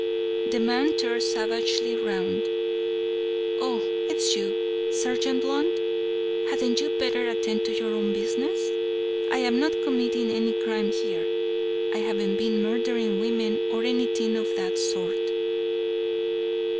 The man turned savagely round. "Oh, it's you, Sergeant Blunt? Hadn't you better attend to your own business? I am not committing any crime here. I haven't been murdering women, or anything of that sort."